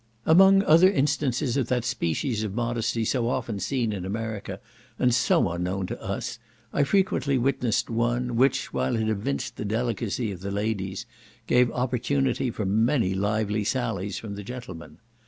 Among other instances of that species of modesty so often seen in America, and so unknown to us, I frequently witnessed one, which, while it evinced the delicacy of the ladies, gave opportunity for many lively sallies from the gentlemen.